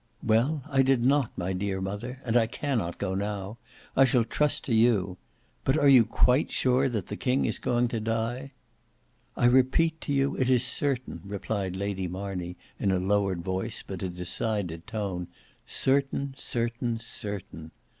"Well I did not, my dear mother, and I cannot go now. I shall trust to you. But are you quite sure that the king is going to die?" "I repeat to you, it is certain," replied Lady Marney, in a lowered voice, but a decided tone; "certain, certain, certain.